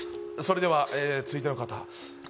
それではえ続いての方